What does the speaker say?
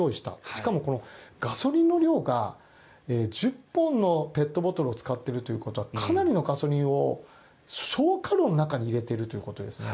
しかもガソリンの量が１０本のペットボトルを使っているということはかなりのガソリンを焼却炉の中に入れているということですね。